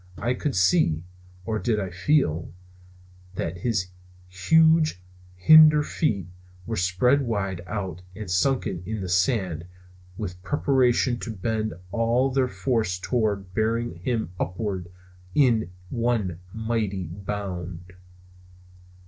I could see or did I feel that his huge hinder feet were spread wide out and sunken in the sand with preparation to bend all their force toward bearing him upward in one mighty bound.